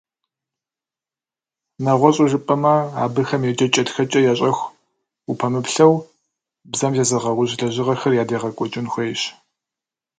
Нэгъуэщӏу жыпӏэмэ, абыхэм еджэкӏэ-тхэкӏэ ящӏэху упэмыплъэу, бзэм зезыгъэужь лэжьыгъэхэр ядегъэкӏуэкӏын хуейщ.